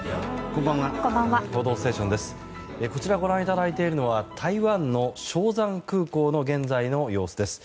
こちらご覧いただいているのは台湾の松山空港の現在の様子です。